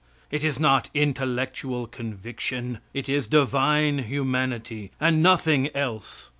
It is not intellectual conviction; it is divine humanity, and nothing else.